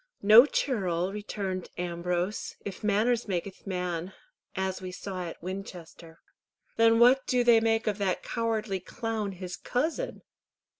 "No churl," returned Ambrose, "if manners makyth man, as we saw at Winchester." "Then what do they make of that cowardly clown, his cousin?"